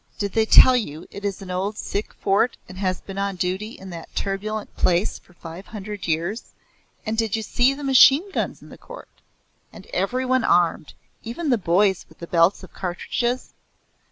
Did they tell you it is an old Sikh Fort and has been on duty in that turbulent place for five hundred years And did you see the machine guns in the court? And every one armed even the boys with belts of cartridges?